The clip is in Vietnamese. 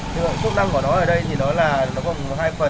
tốc năng của nó ở đây thì nó là vòng hai phần